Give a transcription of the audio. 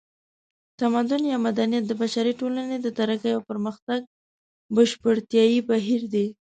تمدن یا مدنیت د بشري ټولنو د ترقۍ او پرمختګ بشپړتیایي بهیر دی